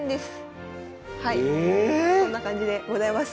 ええ⁉そんな感じでございます。